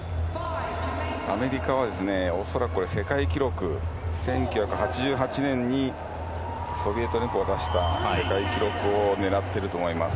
アメリカは恐らく、世界記録１９８８年にソビエト連邦が出した世界記録を狙っていると思います。